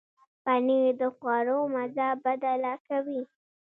پنېر د خواړو مزه بدله کوي.